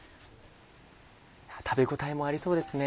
食べ応えもありそうですね。